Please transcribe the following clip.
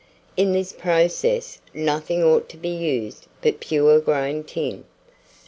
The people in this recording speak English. In this process, nothing ought to be used but pure grain tin.